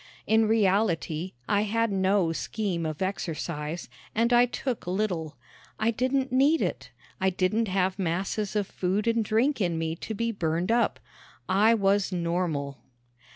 In reality, I had no scheme of exercise, and I took little. I didn't need it. I didn't have masses of food and drink in me to be burned up. I was normal.